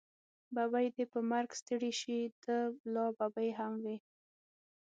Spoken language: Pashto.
ببۍ دې په مرګ ستړې شې، ته لا ببۍ هم وی.